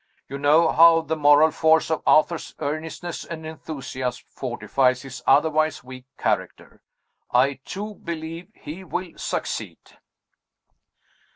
You know how the moral force of Arthur's earnestness and enthusiasm fortifies his otherwise weak character. I, too, believe he will succeed.